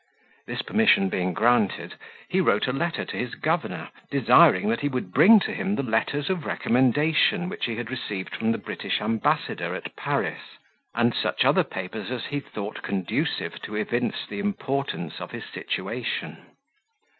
This permission being granted, he wrote a letter to his governor, desiring that he would bring to him the letters of recommendation which he had received from the British ambassador at Paris, and such other papers as he thought conducive to evince the importance of his situation.